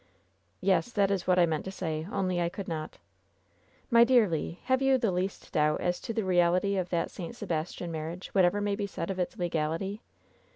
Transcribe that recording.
"Yes, that is what I meant to say — only I could not.'* "My dear Le, have you the least doubt as to the reality of that St. Sebastian marriage, whatever may be said of its legality?"